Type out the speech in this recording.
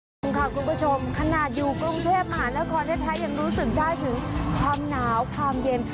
งงค่ะคุณผู้ชมขนาดอยู่กรุงเทพมหานครแท้ยังรู้สึกได้ถึงความหนาวความเย็น